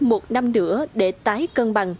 một năm nữa để tái cân bằng